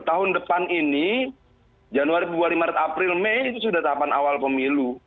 tahun depan ini januari februari maret april mei itu sudah tahapan awal pemilu